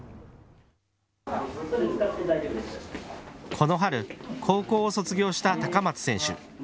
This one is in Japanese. この春、高校を卒業した高松選手。